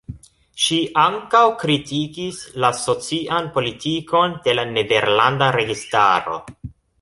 Ŝi ankaŭ kritikis la socian politikon de la nederlanda registaro.